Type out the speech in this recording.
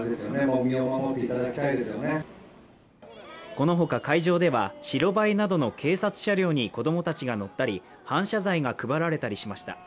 この他、会場では、白バイなどの警察車両に子供たちが乗ったり、反射材が配られたりしました。